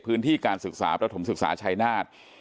พื้นที่การศึกษาประถมศึกษาชัยนาธ